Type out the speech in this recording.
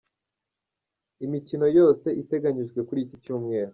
Imikino yose iteganyijwe kuri iki Cyumweru.